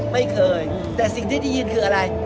ไม่เคยแต่สิ่งที่ได้ยินคืออะไร